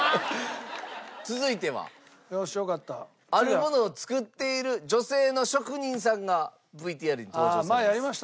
続いてはあるものを作っている女性の職人さんがＶＴＲに登場します。